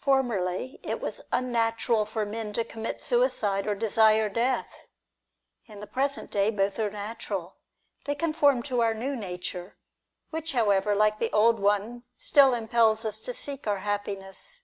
Formerly, it was unnatural for men to commit suicide, or desire death. In the present day, both are natural. They conform to our new nature, which however, like the old one, still impels us to seek our happiness.